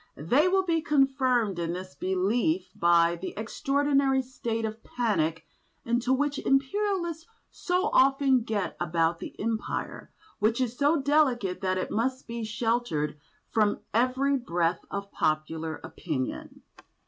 They will be confirmed in this belief by the extraordinary state of panic into which Imperialists so often get about the Empire, which is so delicate that it must be sheltered from every breath of popular opinion.